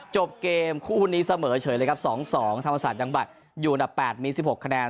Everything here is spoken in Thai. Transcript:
จบเกมคู่นี้เสมอเฉยเลยครับ๒๒ธรรมศาสตร์ยังบัตรอยู่อันดับ๘มี๑๖คะแนน